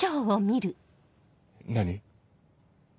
何？